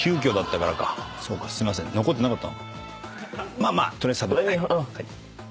まあまあ取りあえず食べて。